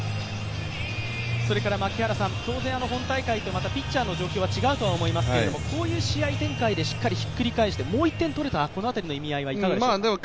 それから当然本大会とはピッチャーの状況は違うと思いますけれども、こういう試合展開でしっかりひっくり返してもう１点取れた、この辺りの意味合いはいかがでしょう？